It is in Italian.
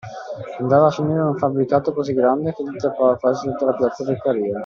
Andava a finire a un fabbricato così grande che gli tappava quasi tutta la Piazza Beccaria;